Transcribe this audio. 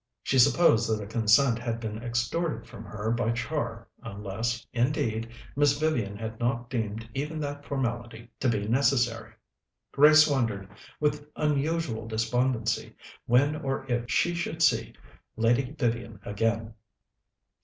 She supposed that a consent had been extorted from her by Char, unless, indeed, Miss Vivian had not deemed even that formality to be necessary. Grace wondered, with unusual despondency, when or if she should see Lady Vivian again.